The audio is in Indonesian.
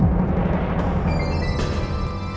siapa sebenernya yang udah ngelakuin ini ke kulau kepaal